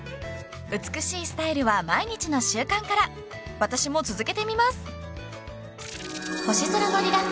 ［美しいスタイルは毎日の習慣から私も続けてみます］